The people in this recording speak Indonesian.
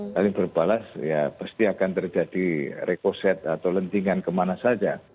saling berbalas ya pasti akan terjadi rekoset atau lentingan kemana saja